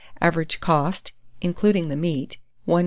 Average cost, including the meat, 1s.